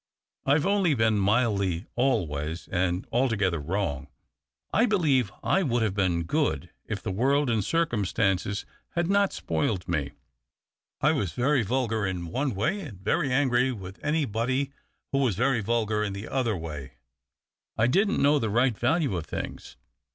I've only been mildly always and altogether wrong. I believe I would have been good if the world and circumstances had not spoiled me. I was very vulgar in one way, and very angry with anybody who was very vulgar in the other way. I didn't know the right value of things.